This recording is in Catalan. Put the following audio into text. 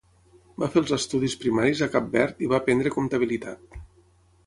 Va fer els estudis primaris a Cap Verd i va aprendre comptabilitat.